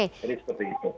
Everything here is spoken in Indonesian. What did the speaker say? jadi seperti itu